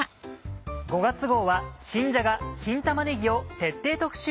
５月号は新じゃが新玉ねぎを徹底特集。